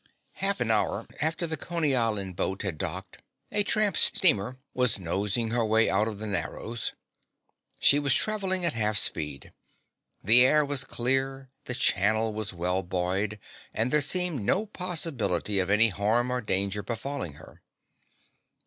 Half an hour after the Coney Island boat had docked a tramp steamer was nosing her way out of the Narrows. She was traveling at half speed, the air was clear, the channel was well buoyed, and there seemed no possibility of any harm or danger befalling her.